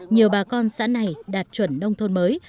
nhiều bà con xã này đạt chuẩn nông thôn mới